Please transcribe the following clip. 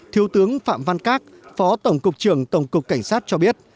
thiếu tướng phạm văn các phó tổng cục trưởng tổng cục cảnh sát cho biết